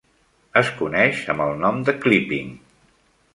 És coneix amb el nom de "clipping".